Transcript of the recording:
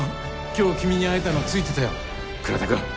今日君に会えたのツイてたよ倉田くん。